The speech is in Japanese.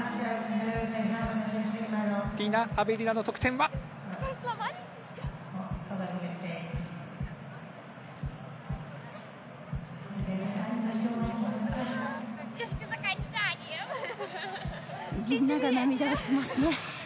ディナ・アベリナの得点はみんなが涙しますね。